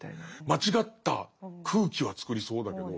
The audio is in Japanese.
間違った空気は作りそうだけど。